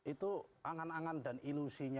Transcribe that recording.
itu angan angan dan ilusinya